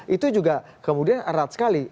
itu juga kemudian erat sekali